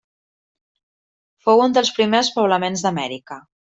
Fou un dels primers poblaments d'Amèrica.